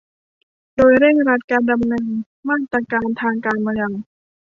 โดยเร่งรัดการดำเนินมาตรการทางการเมือง